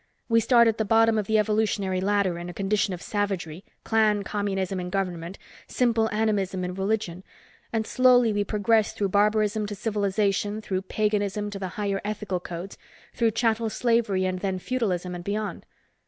We start at the bottom of the evolutionary ladder in a condition of savagery, clan communism in government, simple animism in religion, and slowly we progress through barbarism to civilization, through paganism to the higher ethical codes, through chattel slavery and then feudalism and beyond.